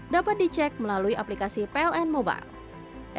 dapat dicek melalui aplikasi pln mobile